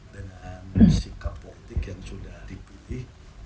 dengan sikap politik yang sudah dipilih